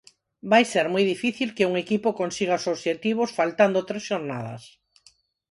Vai ser moi difícil que un equipo consiga os obxectivos faltando tres xornadas.